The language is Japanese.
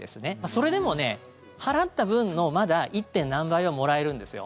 それでも払った分のまだ１．何倍はもらえるんです。